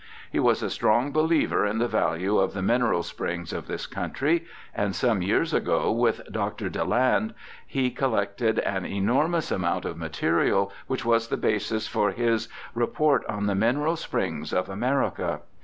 He was a strong believer in the value of the mineral springs of this country, and some years ago, with Dr. Daland, he collected an enormous amount of material which was the basis for his Report on the Mineral Springs of America.